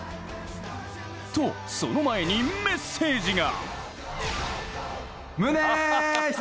とその前にメッセージが。